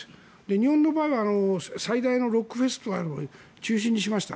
日本の場合は最大のロックフェスといわれるものを中止にしました。